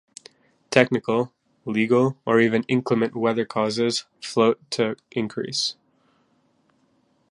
Technical, legal or even inclement weather causes float to increase.